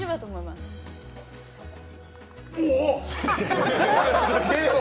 すげぇわ！